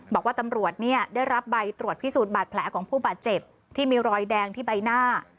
บอกว่าตำรวจเนี่ยได้รับใบตรวจพิสูจน์บาดแผลของผู้บาดเจ็บที่มีรอยแดงที่ใบหน้า